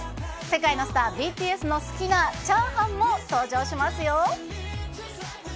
世界のスター、ＢＴＳの好きなチャーハンも登場しますよ。